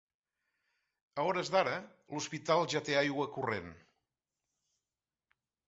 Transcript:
A hores d’ara, l’hospital ja té aigua corrent.